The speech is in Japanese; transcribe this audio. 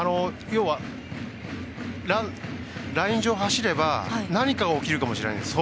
要は、ライン上を走れば何か起きるかもしれないんです。